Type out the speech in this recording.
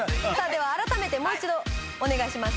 改めてもう一度お願いします。